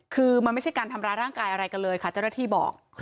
คือมันไม่ใช่การทำร้ายร่างกายอะไรกันเลยค่ะเจ้าหน้าที่บอก